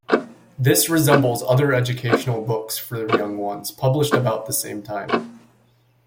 This resembles other educational books for young ones published about the same time.